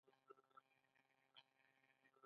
ایا زه باید وختي پاڅیږم؟